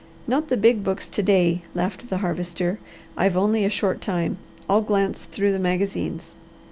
"Not the big books to day," laughed the Harvester. "I've only a short time. I'll glance through the magazines."